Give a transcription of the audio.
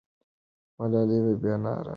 ملالۍ به بیا ناره کړې وه.